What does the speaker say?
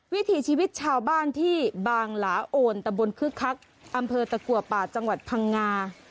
วิถีชีวิตชาวบ้านที่บางหลาโอนตะบนคึกคักอำเภอตะกัวป่าจังหวัดพังงา